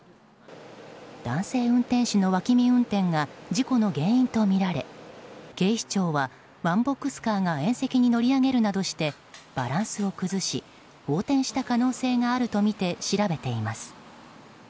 男性運転手の脇見運転が事故の原因とみられ警視庁は、ワンボックスカーが縁石に乗り上げるなどしてバランスを崩し、横転した可能性があるとみて調べています。